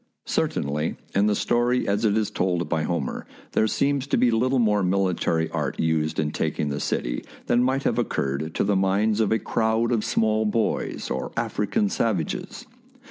Certainly, in the story as it is told by Homer, there seems to be little more military art used in taking the city than might have occurred to the minds of a crowd of small boys or African savages.